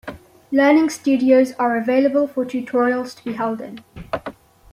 Learning studios are available for tutorials to be held in.